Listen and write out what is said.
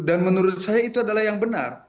dan menurut saya itu adalah yang benar